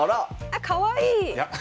あかわいい！